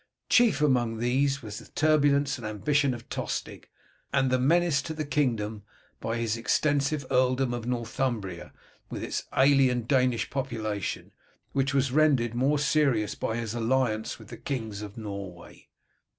Chief among these were the turbulence and ambition of Tostig, and the menace to the kingdom by his extensive earldom of Northumbria with its alien Danish population, which was rendered more serious by his alliance with the kings of Norway.